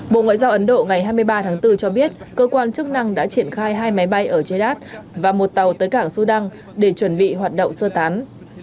bộ ngoại giao ấn độ ngày hai mươi ba tháng bốn cho biết cơ quan chức năng đã triển khai hai máy bay ở jaidat và một tàu tới cảng sudan để chuẩn bị hoạt động sơ tán